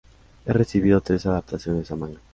Ha recibido tres adaptaciones a manga.